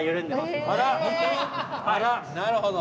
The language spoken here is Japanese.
なるほど。